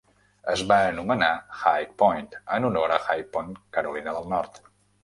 Es va anomenar "High Point" en honor a High Point, Carolina del Nord.